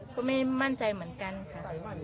ก็ไม่มั่นใจเหมือนกันค่ะ